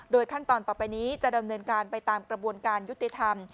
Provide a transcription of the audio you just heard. ขั้นตอนต่อไปนี้จะดำเนินการไปตามกระบวนการยุติธรรม